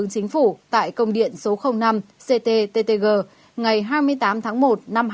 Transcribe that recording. các bệnh viện cũng đạt được chỉ đạo của thủ tướng chính phủ tại công điện số năm ctttg ngày hai mươi tám tháng một năm hai nghìn hai mươi